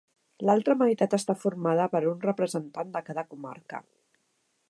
L'altra meitat està formada per un representant de cada comarca.